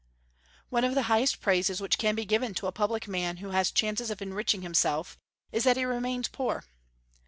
One of the highest praises which can be given to a public man who has chances of enriching himself is, that he remains poor.